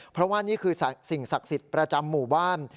เพราะว่านี่คือสิ่งศักดิ์สิทธิ์ประจำหมู่บ้าน